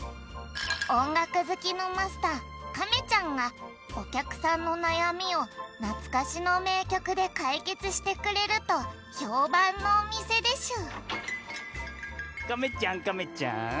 おんがくずきのマスター亀ちゃんがおきゃくさんのなやみをなつかしのめいきょくでかいけつしてくれるとひょうばんのおみせでしゅ・亀ちゃん亀ちゃん。